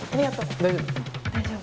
大丈夫？